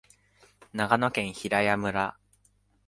長野県平谷村